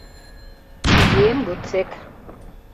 — Изием годсек.